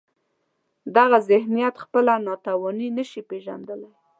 دغه ذهنیت خپله ناتواني نشي پېژندلای.